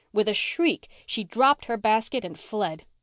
With a shriek she dropped her basket and fled.